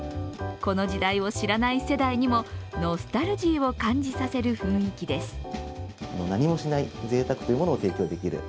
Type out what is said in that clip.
この時代を知らない世代にもノスタルジーを感じさせる雰囲気です。